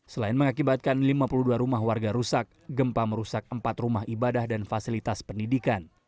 selain mengakibatkan lima puluh dua rumah warga rusak gempa merusak empat rumah ibadah dan fasilitas pendidikan